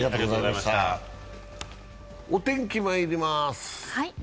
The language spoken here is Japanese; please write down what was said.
お天気まいります。